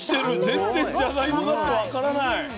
全然じゃがいもだって分からない。